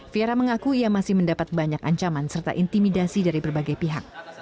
fiera mengaku ia masih mendapat banyak ancaman serta intimidasi dari berbagai pihak